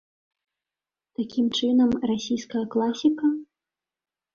Такім чынам, расійская класіка?